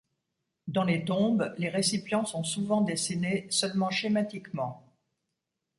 Dans les tombes, les récipients sont souvent dessinés seulement schématiquement.